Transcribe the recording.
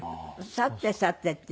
「さてさて」っていうのをね